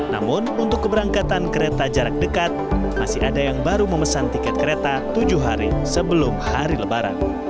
namun untuk keberangkatan kereta jarak dekat masih ada yang baru memesan tiket kereta tujuh hari sebelum hari lebaran